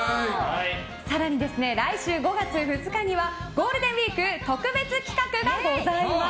更に、来週５月２日にはゴールデンウィーク特別企画がございます。